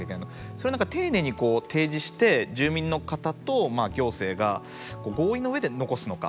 それを丁寧に提示して住民の方と行政が合意の上で残すのか。